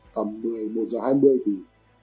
nhưng sau đó thì đến tầm một mươi một giờ hai mươi